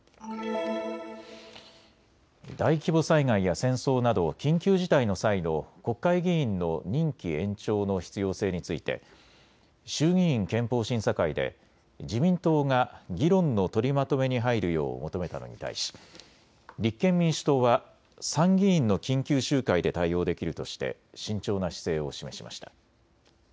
大規模災害や戦争など緊急事態の際の国会議員の任期延長の必要性について衆議院憲法審査会で自民党が議論の取りまとめに入るよう求めたのに対し立憲民主党は参議院の緊急集会で対応できるとして慎重な姿勢を示しました。